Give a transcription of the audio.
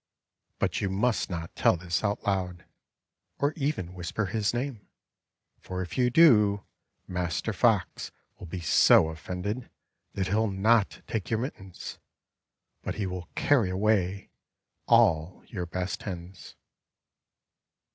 But you must nqt tell this out loud, or even whisper his name, for if you do Master Fox will be so offended that he'll not take your mittens; but he will carry away all your best hens.